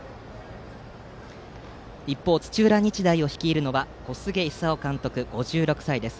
一方、土浦日大を率いるのは小菅勲監督、５６歳です。